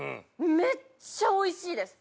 めっちゃおいしいです！